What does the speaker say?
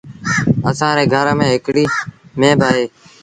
اسآݩ ري گھر ميݩ هڪڙيٚ ميݩهن با اهي۔